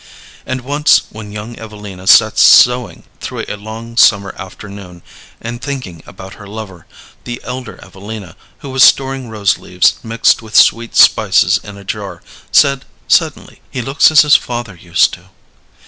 And once, when young Evelina sat sewing through a long summer afternoon and thinking about her lover, the elder Evelina, who was storing rose leaves mixed with sweet spices in a jar, said, suddenly, "He looks as his father used to."